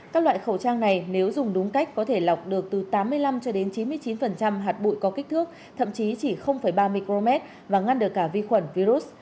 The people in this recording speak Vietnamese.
các loại khẩu trang này nếu dùng đúng cách có thể lọc được từ tám mươi năm cho đến chín mươi chín hạt bụi có kích thước thậm chí chỉ ba mươi km và ngăn được cả vi khuẩn virus